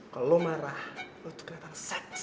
kalo lo marah lo tuh keliatan seksi